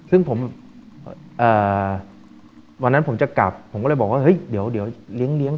ซึ่งผมวันนั้นผมจะกลับผมก็เลยบอกว่าเฮ้ยเดี๋ยวเลี้ยง